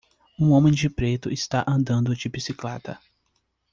Um homem de preto está andando de bicicleta.